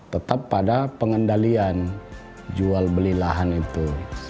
tetap pada pengendalian jual beli lahan itu